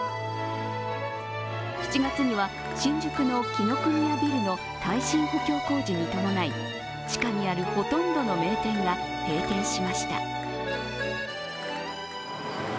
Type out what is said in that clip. ７月には、新宿の紀伊國屋ビルの耐震補強工事に伴い地下にあるほとんどの名店が閉店しました。